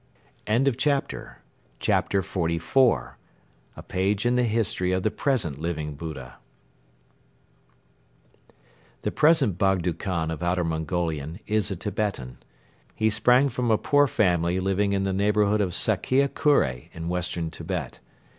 CHAPTER XLIV A PAGE IN THE HISTORY OF THE PRESENT LIVING BUDDHA The present Bogdo Khan of Outer Mongolia is a Tibetan. He sprang from a poor family living in the neighborhood of Sakkia Kure in western Tibet.